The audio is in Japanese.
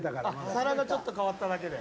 皿がちょっと変わっただけで。